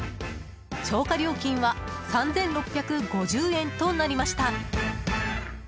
超過料金は３６５０円となりました。